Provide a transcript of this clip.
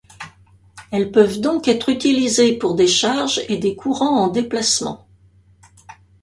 Elles peuvent donc être utilisées pour des charges et des courants en déplacement.